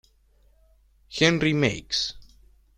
Henry Meiggs